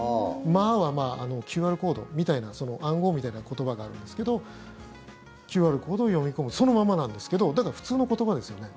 「マー」は「ＱＲコード」みたいな「暗号」みたいな言葉があるんですけどＱＲコードを読み込むそのままなんですけどだから、普通の言葉ですよね。